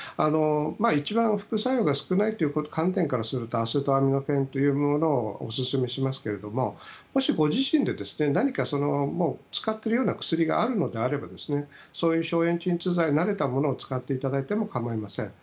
一番副作用が少ないという観点からするとアセトアミノフェンをいうものをお勧め致しますけれどももしご自身で何か使っているような薬があるのであればそういう消炎鎮痛剤は慣れたものを使っていただいてもかまいません。